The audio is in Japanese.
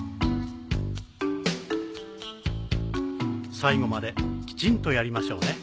最後まできちんとやりましょうね。